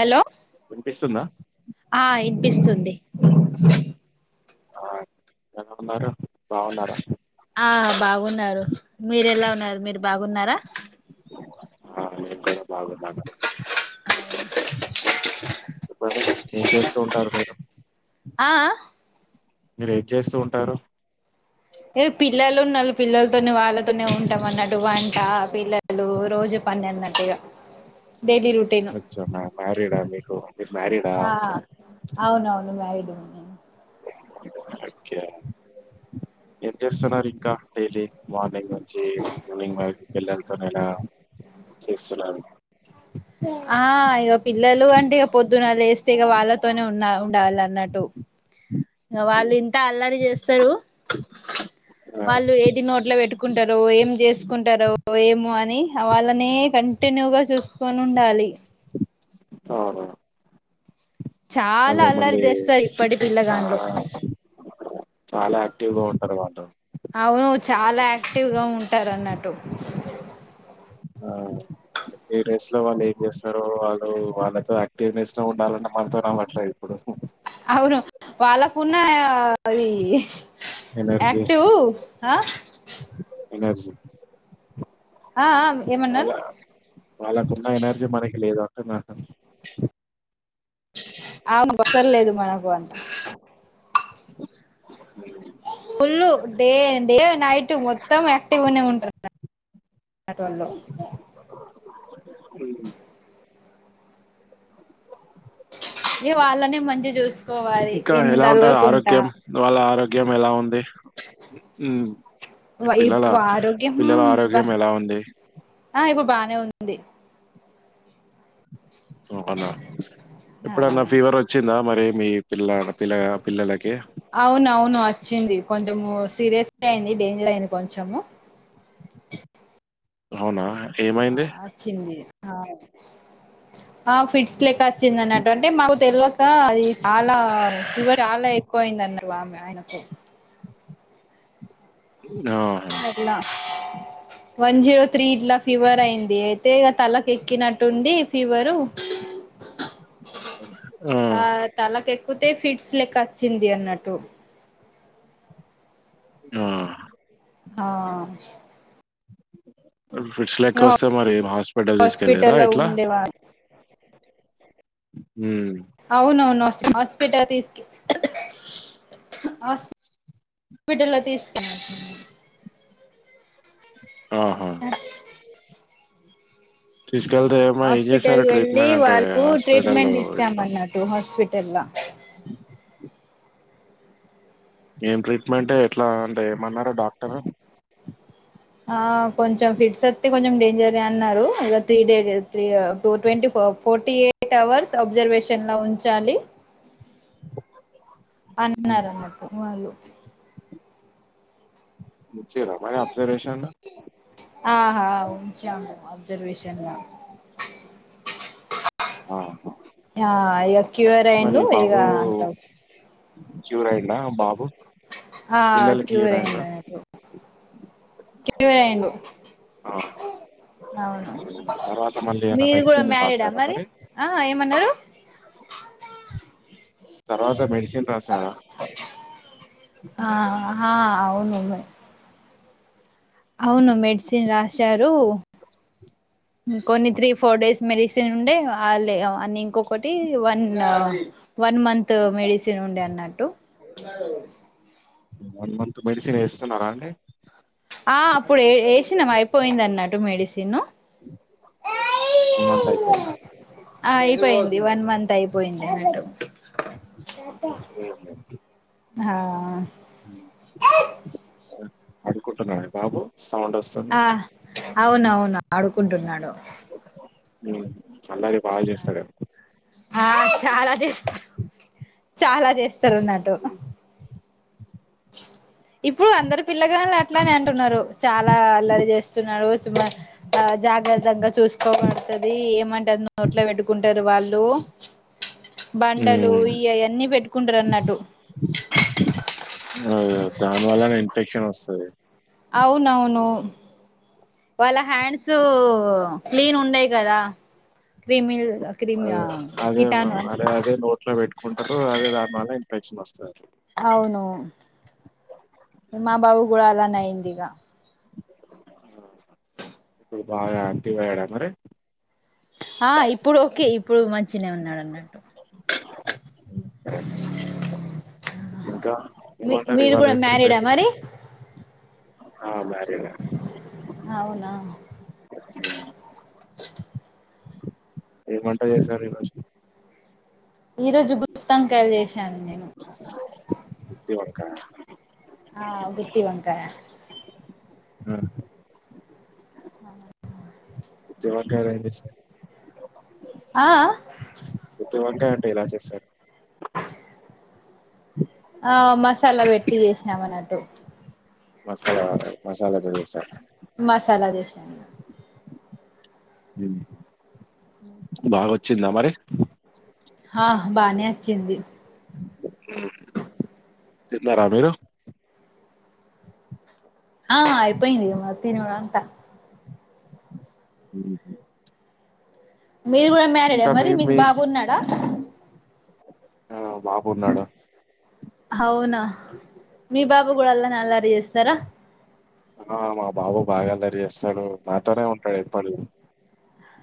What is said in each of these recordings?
Hello వినిపిస్తుందా ఆ ఇనిపిస్తుంది ఆ ఎలా ఉన్నారు బాగున్నారా ఆ బాగున్నారు మీరూ ఎలా ఉన్నారు మీరు బాగున్నారా ఆ నేను కూడా బాగున్నాను చెప్పండి ఏం చేస్తూ ఉంటారు మీరు ఆ ఆ మీరు ఏం చేస్తూ ఉంటారు ఏ పిల్లలు ఉన్నారు పిల్ల తోనే వాళ్ తూనే ఉంటాం అన్నట్టు వంట పిల్లలు రోజు పని అన్నటిగా అచ్చో మా మ్యారీడ్ ఆ మీకు మీరు మ్యారీడ్ ఆ ఒకే అవునవును మ్యారీడ్ ఉన్నా ఒకే ఏం చేస్తున్నారు ఇంకా డైలీ మార్నింగ్ ఒకే మనింగ్ బయటికి వెళ్ళా పని ఎలా చేస్తున్నారూ ఆ ఇక పిల్లలు అంటే ఇక పొద్దున లేేస్తే ఇక వాళ్ళతోనే ఉన్న ఉండాల అన్నట్టు వాళ్ళు ఉమ్, ఇంత అల్లరి చేస్తారు ఆ వాళ్ళు ఏది నోట్లో పెట్టు ఒకుంటారు ఏం చేసుకుంటారు ఏమో అని వాళ్ళనే కంటిన్యూగా చూసుకొని ఉండాలి అ ఆ చాలా అల్లరి చేస్తారు ఇప్పటి పిల్లగానిలో చాలా చాలా యాక్టివ్ గా ఉంటారు వాళ్ళు అవును చాలా యాక్టివ్గా ఉంటారు అన్నట్టు ఆ ఈ రేస్ లో వాళ్ళు ఏం చేస్తారో వాళ్ళు వాళ్ళతో యాక్టివస్ ఉండాలని మనతో రామట్లేదు ఇప్పుడు అవును వాళ్ళకున్న అవి ఎనర్జీ ఆక్టివ్ ఆ ఎనర్జీ ఆ ఆ వాళ్ళ ఏమన్నారు వాళ్ళకున్న ఎనర్జీ మనకి లేదా అంటున్నా అవును బసర్లేదు మనకు అంత ఫు డే డే నైట్ మొత్తం యాక్టివ్గానే ఉంటంది ఉమ్. ఏ వాళ్ళనే మంచి చూస్త ఇంకా ఎలా ఉంటారు ఆరోగ్యం వాళ్ళ ఆరోగ్యం ఎలా ఉ మ్ ఈ పిల్లల ఇప్పుడు ఆరోగ్యం పిల్లల బా ఆరోగ్యం ఎలా ఉంది ఆ ఇప్పు బానే ఉంది అనా ఆ ఎప్పుడన్నా ఫీవర్ వచ్చిందా మరి మీ పిల్ల పిల్ల పిల్లలకి అవును అవును వచ్చింది కొంచము సీరియస్ అయింది డేంజర్ అయింది కొంచెము అవునా ఏమైంది ఆ చింది ఆ ఫిట్స్ లెక్క వచ్చిందిన్నట్టు అంటే మాకు తెలివక అది చాలా ఫివర్ చాలా ఎక్కువ అయింది అన్న పెట్టువా మ అయనకు ఆ అట్లా వన్ జీరో త్రీ ఇట్లా ఫీవర్ అయింది అయితే ఇ తలక ఎక్కినట్టుండి ఫీవరు ఆ తలాక కతే ఫిట్స్ లెక్క వచ్చింది అన్నట్టు ఆ ఆ ఫిడ్ట్స్ లెక్క ఇగ వస్తే మరి ఏం హాస్పిటల్ తీసుకెళ్ళరా హాస్పిటల్ లో ఎట్లా ఉండేవారు ఉమ్ అవునవునొస్ హాస్పిట తీస్కె ఆస్ బిడ్డుల్ల తీస్ కొ ఆహా ఉ అ తీసుకెళ్తే ఏమ ఏం ఆస్పిటల్ చేశారు వెళ్ళి ట్రీట్మెంట్ అంటే వాళ్ళకు హాస్పిటల్లో ట్రీట్మెంట్ ఇట్లా ఇచ్చామన్నట్టు హాస్పిటల్ ల ఏం ట్రీట్మెంటే ఎట్లా అంటే ఏమన్నారు డాక్టరు ఆ కొంచెం ఫిట్సొత్తే కొంచెం డేంజరే అన్నారు ఒక త్రీ డే డే త్రీ అ two twenty four forty eight hours observation లో ఉంచాలి ఉమ్. అన్నారన్నట్టు వాళ్ళు నిచ్చిర్రా మరి అబ్జర్వేషన్ లో ఆహా ఉంచము అబ్జర్వేషన్ల అ ఆ ఇగ క్యువరైండు ఇగ బాబు అంత అహ బాబు ఆ పిల్లల్కివరంట క్యూరైండు అవును తర్వాత మళ్ళీ ఏమైనా మీరు గూడా మెడిసిన్ మ్యారీడా రాసారా మరి అహ ఏమన్నారు తర్వాత మెడిసెన్ రాసారా ఆ అవును బై అవును మెడ్సిన్ రాస్ శారు ఉమ్ కొన్ని త్రీ ఫోర్ డేస్ మెరిసెనుండే ఆల్లే అవన్ని ఇంకొకటి వన్ వన్ మంత్ మెడిసిన్ ఉండే అన్నట్టు వన్ మంత్ మెడిసెనేస్తున్నారా అండి తున్నం అయిపోయిందన్నట్టు మెడిసిను వన్ మంత్ అయిపోయిందా ఆ అయ్ పోయింది వన్ మంత్ అయ్ పోయింది అన్నట్టు ఉమ్. ఆ ఉమ్ అడుకుంటున్నాడా బాబు సౌండొస్తుంది ఆ అవునవును ఆడుకుంటున్నాడు ఉమ్. అల్లరి బాగ్ జేస్తాడేమో ఆ చాలా చేస్త చాలా చేస్తరున్నట్టు ఇప్పుడు అందరు పిల్లగాల్లు అట్లనే అంటున్నారు చాల్ ల అల్లరి చేస్తున్నాడు చుమ్మ అ జాగ్రత్తంగా చూసుకోబడుతది ఏమంటే అది నోట్లో పెట్టుకుంటరు వాళ్ళు బండలు ఇయయన్నీ పెట్టు కుంటురన్నట్టు దాన వల్లనే ఇన్ఫెక్షన్ వస్తది అవునవును వాళ్ళ హ్యాండ్స్ క్లీన్ ఉండేయి కదా క్ర్రిమి అదే అదే అదే అదే నోట్లో పెట్టుకుంటారు అదే దానివల్ల ఫెక్షన్ వస్తది అవును మా బాబు కూడా అలానే యిందీగా ఇప్పుడు బాగా యాక్టివ్ అయ్యాడా మరి ఆ ఇప్పుడు ఓకే ఇప్పుడు మంచిన ఉన్నాడు అన్నట్టు ఇంకా మీ ఏమంటారు మీరు ఇవాళ కూడా ఏం మ్యారీడా ప్రిపేర్ చేసి మరి ఆ మ్యారీడ ఏ అవునా ఉమ్ ఏమమంటా చేసారు ఎరోజు ఈ రోజు గుత్వాన్కాయలు చెస్ చెన్నను గుత్తి వంకాయ ఆ, ఆ [unintelligible] దివాకర్ ఎమ్ చెసారు ఆ ఆ గుతువంకాయ అంటే ఎలా చేశారు ఆ మసాలా పెట్టి చేసినాం అన్నట్టు మసాలా మసాలా జడుస అ ఉమ్ ఉహుమ్ చ్చిందా మరి హా బానే వచ్చింది ఉమ్ తిన్నారా మీరు ఆ అయిపోయింది మా తినుడు అంత ఉహుమ్ మీరు కూడా మ్యారిడ్ మరి మీకు మీ బాబున్నాడా ఆ బాబుపున్నాడు అవునా మీ బాబు కూడా అలారి అలారి చేస్త ధార ఆ మా బాబు బాగా దరిచేస్తాడు నాతోనే ఉంటాడు ఎప్పడు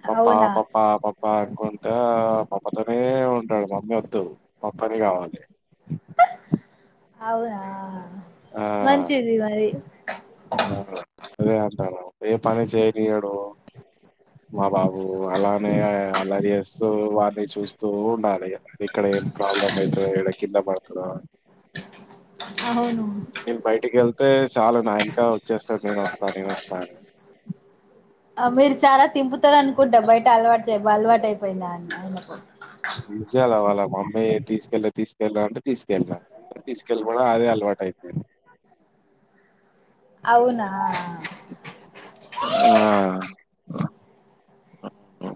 పపా అవునా పపా ప పకుంటా పామతోనే ఉంటాడు మమ్మీ వద్దు పప్పనే కావాలే అవునా ఆ మంచిది మరి ఆ అదే అంటార ఏ పని చేయనియాడు మా బాబు అలానే అలరి చేస్తూ వాడ్ని చూస్తూ ఉండాలి ఇగ. ఇక్కడ ఏం ప్రాబ్లం అయితదో ఏడ కింద పడుతడో అని. అవును. నేన్ బయటికెళ్ తే చాలు నా ఎన్కా వచ్చేస్తాడ్ నేను వస్తా నేను వస్తా అనీ. ఆ మీరు చాలా తింపుతారు అనుకుంటా. బయట అలవాట్ చే అలవాటు అయిపోయింది ఆయనకు. ఇచ్చాయల వాల మమ్మీ తీసుకెళ్ళు తీసుకెళ్ళు అంటే తీసుకెళ్ళినా. తీసుకెళ్ళి పోవడం అదే అలవాటు అయిపోయింది. అవునా అవును.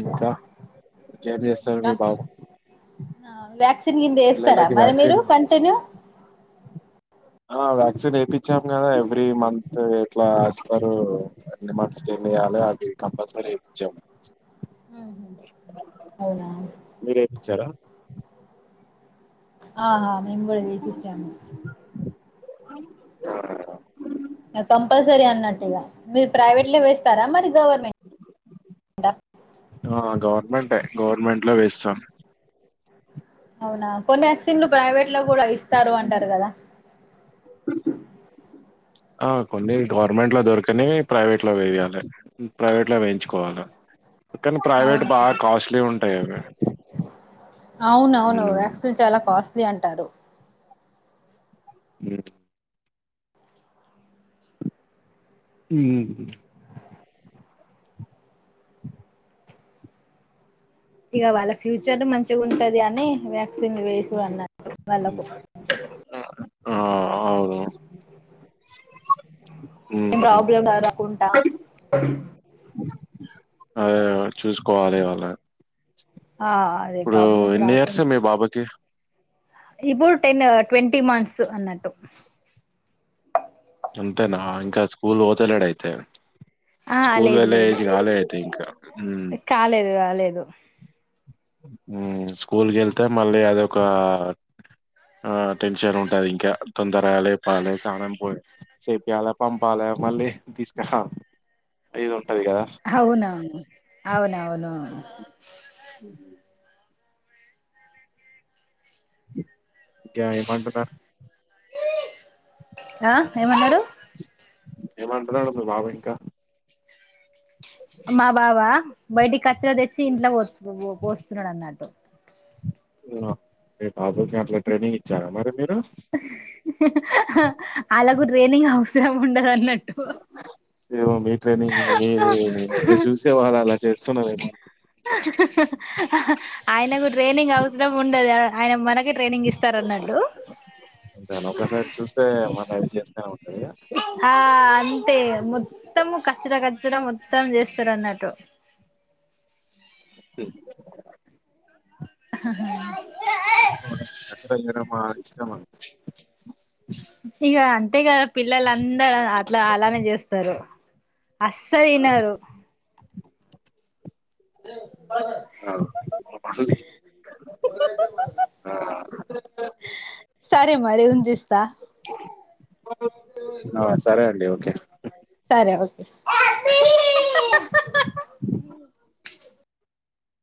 ఇంకా. ఏం చేస్తాడు మీ బాబు. వాక్స్ [unintelligible] ఏస్తారా పిల్లలకి మరి మీరు వ్యాక్సిన్ కంటిన్యూ. ఆ వ్యాక్సిన్ ఏయిపి చ్చాం కదా ఎవ్రీ మంత్ ఎట్లా ఇస్తారూ ఎన్ని మంత్స్ కి ఎన్నిఎయ్యాలే అది కంపల్సరీ ఇప్పిచ్చాము. అవునా మీరేపిచ్చారా. ఆహా మేము కూడా వేపిచ్చాము. కంపల్సరీ అన్నట్టుగా. మీరు ప్రైవేట్ల వేస్తారా మరి గవర్నమెంట్ ఆ గవర్నమెంటే గవర్నమెంట్ లో వేస్తాం. అవునా కొన్ని వ్యాక్సిన్లు ప్రైవేట్. ట్లో గూడా ఇస్తారు అంటారు గదా. ఆ కొన్ని గవర్నమెంట్ లో దొరకనివి ప్రైవేట్ లో వేయ్యాలె. ప్రైవేట్లో వేయించుకోవాల. అవునవును ఉంటాయి అవి అవునవును ఉమ్, వ్యాక్సిన్ చాలా కాస్ట్లీ అంటారు. ఉమ్ ఉమ్ ఇగ వాళ్ళ ఫ్యూచర్ మంచిగ ఉంటది అనీ, వ్యాక్సిన్ వేయిసు అన్నార్. ఉమ్ ఆ అవును. ఏం ఉమ్, ప్రాబ్లమ్ ర రాకుంటా. అదే కాబట్టి చూసుకోవాలి వాళ్ళ ఆ అదే ఇప్పుడు ప్రాబ్లమ్స్ ఎన్ని రాకుం ఇయర్స్ మీ బాబుకి? ఇపు టెన్ ట్వంటీ మంత్స్ అన్నట్టు అంతేనా ఇంకా స్కూల్ వోతలేడయితే ఆ లేదు లేదు ఇంకా. కాలేదు కాలేదు దు మ్ స్కూల్ కి వెళ్తే మళ్ళీ అదొక ఆ టెన్షన్ ఉంటది ఇంకా తొందరరా లేపాలే సనం పోయ చెపీయాలె పంపాలె మళ్ళీ తీసుక రావాలా అవునవును అవునవును ఉ క ఏమంటున ఆ ఏమన్నరు ఏమంటున్నాడు మీ బాబు ఇంకా మా బాబా బయటికి కచ్చ్ర తెచ్చి ఇంట్లో పోస్తున్నాడు అన్నట్టు ఆ బాబుకే అట్లా ట్రైనింగ్ ఇచ్చారా మరి మీరు హిహి హిహి హహ్ ఆల్లకు ట్రైనింగ్ అవసరం ఉండదు అన్నట్టు ఏమో మీ ట్రైనింగ్ సునాదె అహి హి అహ్హ హ్ హ హ్ ఆయన గురి ట్రైనింగ్ అవసరం ఉండదు ఆయన మనక ట్రైనింగ్ ఇస్తారు అన్నట్టు అంతేనా? ఒకసారి చూస్తే మళ్ళీ అది చేస్తూనే ఉంటారు ఇగ. ఆ అంతే మొత్తం కచ్చర కచ్చర మొత్తం చెస్ చిరన్నటు హ్మ్ నచ్చ ఏమా శ్రమ ఇగ అంతే గా పిల్లలు అందరు అట్లా అలానే చేస్తారు అస్స ఇనరు హహుహుహు హు ఆ సరే మరి ఉందిస్తా ఆ సరే అండి ఓకే అ సరే ఓకే